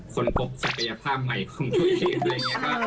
คนพบสัมพัยภาพใหม่ผู้ชิม